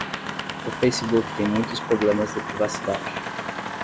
O Facebook tem muitos problemas de privacidade.